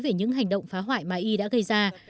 về những hành động phá hoại mà y đã gây ra